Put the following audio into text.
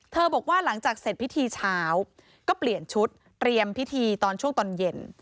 บอกว่าหลังจากเสร็จพิธีเช้าก็เปลี่ยนชุดเตรียมพิธีตอนช่วงตอนเย็น